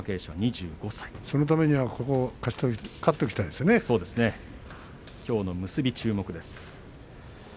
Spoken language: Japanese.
そのためにはきょう結びが注目です。